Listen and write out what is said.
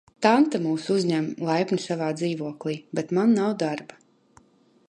Tante mūs uzņem laipni savā dzīvoklī, bet man nav darba.